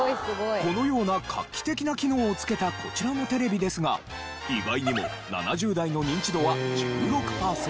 このような画期的な機能を付けたこちらのテレビですが意外にも７０代のニンチドは１６パーセント。